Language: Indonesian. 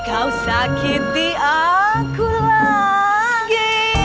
kau sakiti aku lagi